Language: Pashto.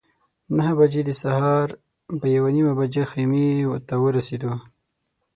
نهه بجې د سهار په یوه نیمه بجه خیمې ته ورسېدو.